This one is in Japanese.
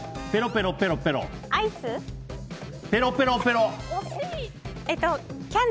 ペロペロペロ。